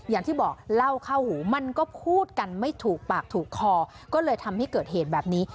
อย่างที่บอกเล่าเข้าหูมันก็พูดกันไม่ถูกปากถูกคอก็เลยทำให้เกิดเหตุแบบนี้